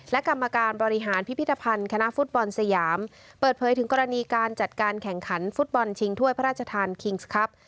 และกรรมการบริหารพิพิธภัณฑ์คณะฟุตบอลสยามเปิดเผยถึงกรณีการจัดการแข่งขันฟุตบอลชิงถ้วยพระราชทานคิงส์ครับ